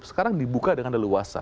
sekarang dibuka dengan leluasa